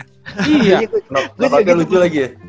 knock outnya lucu lagi ya